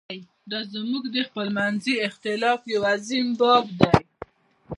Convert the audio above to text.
دا زموږ د خپلمنځي اختلاف یو عظیم باب دی.